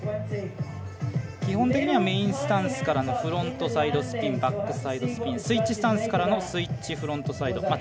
基本的にはメインスタンスからのフロントサイドスピンバックサイドスピンスタンスサイドからのスイッチフロントサイド